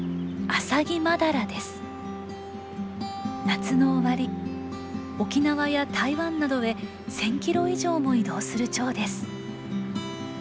夏の終わり沖縄や台湾などへ１，０００キロ以上も移動するチョウです。